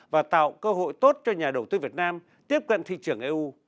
và tạo cơ hội tốt cho nhà đầu tư việt nam tiếp cận thị trường eu